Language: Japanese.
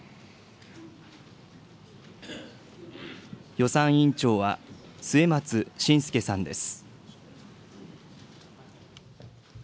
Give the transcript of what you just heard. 予算委員長は、末松信介さんです。